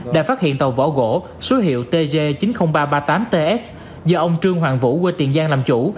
đã phát hiện tàu vỏ gỗ số hiệu tg chín mươi nghìn ba trăm ba mươi tám ts do ông trương hoàng vũ quê tiền giang làm chủ